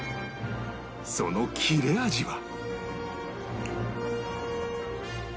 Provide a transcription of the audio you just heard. その切れ味は